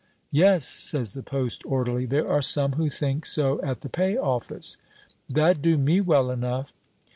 "Yes," says the post orderly, "there are some who think so at the Pay office." "That'd do me well enough."